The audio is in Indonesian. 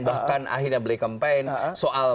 bahkan akhirnya beli kampanye soal